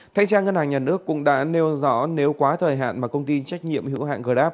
thanh tra ngân hàng nhà nước cũng đã nêu rõ nếu quá thời hạn mà công ty trách nhiệm hữu hạn grab